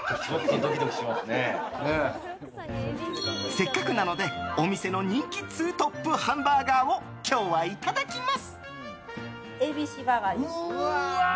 せっかくなので、お店の人気ツートップ・ハンバーガーを今日はいただきます。